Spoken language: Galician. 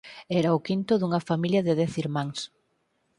Era o quinto dunha familia de dez irmáns.